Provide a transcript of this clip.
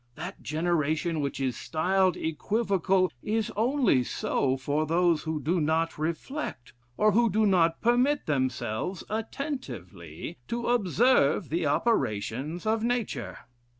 That generation which is styled equivocal is only so for those who do not reflect, or who do not permit themselves, attentively, to observe the operations of Nature."